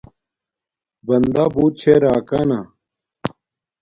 بندا بوت چھے راکانا